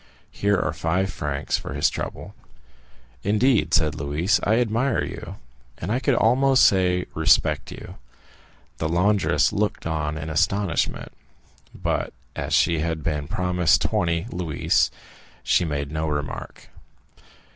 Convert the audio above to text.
Here are five francs for his trouble." "Indeed," said Louise, "I admire you, and I could almost say respect you." The laundress looked on in astonishment, but as she had been promised twenty louis, she made no remark.